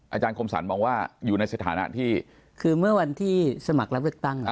อาจารย์คมสรรมองว่าอยู่ในสถานะที่คือเมื่อวันที่สมัครรับเลือกตั้งอ่ะ